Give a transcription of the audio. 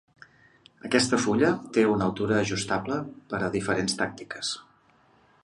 Aquesta fulla té una altura ajustable per a diferents tàctiques.